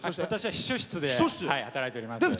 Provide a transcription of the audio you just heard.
私は秘書室で働いております。